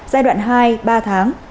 giai đoạn hai ba tháng